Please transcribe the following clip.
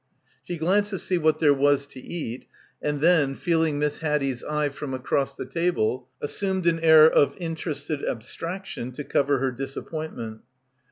She glanced to see what there was to eat, and then, feeling Miss Haddie's eye from across the table, assumed an air of in terested abstraction to cover her disappointment.